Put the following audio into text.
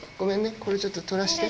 これちょっと取らして。